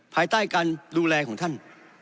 ภายใต้การดูแลของท่าน